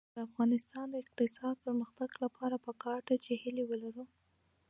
د افغانستان د اقتصادي پرمختګ لپاره پکار ده چې هیلې ولرو.